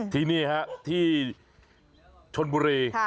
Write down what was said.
ที่นี่ฮะที่ชนบุรี